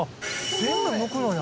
全部むくのに。